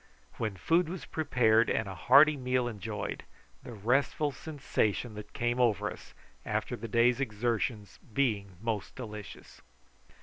Then food was prepared and a hearty meal enjoyed, the restful sensation that came over us after the day's exertion being most delicious.